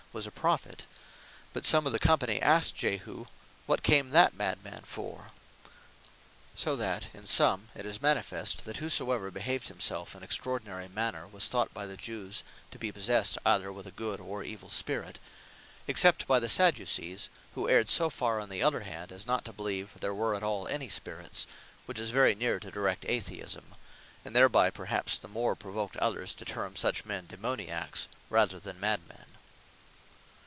was a Prophet; but some of the company asked Jehu, "What came that mad man for?" So that in summe, it is manifest, that whosoever behaved himselfe in extraordinary manner, was thought by the Jewes to be possessed either with a good, or evill spirit; except by the Sadduces, who erred so farre on the other hand, as not to believe there were at all any spirits, (which is very neere to direct Atheisme;) and thereby perhaps the more provoked others, to terme such men Daemoniacks, rather than mad men.